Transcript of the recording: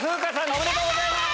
おめでとうございます！